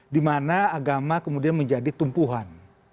di mana agama kemudian menjadi tumpuhan